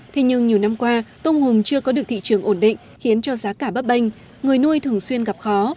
thế nhưng nhiều năm qua tôm hùm chưa có được thị trường ổn định khiến cho giá cả bấp bênh người nuôi thường xuyên gặp khó